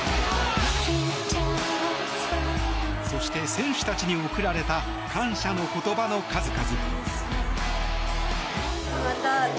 そして、選手たちに贈られた感謝の言葉の数々。